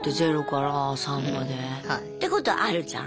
ってことはあるじゃん？